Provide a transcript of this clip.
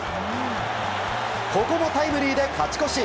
ここもタイムリーで勝ち越し！